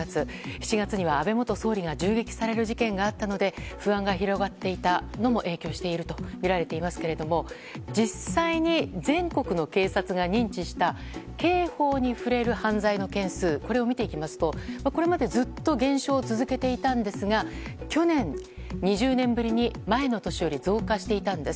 ７月には安倍元総理が銃撃される事件があったので不安が広がっていたのも影響しているとみられていますが実際に、全国の警察が認知した刑法に触れる犯罪の件数を見ていきますとこれまで、ずっと減少を続けていたんですが去年、２０年ぶりに前の年より増加していたんです。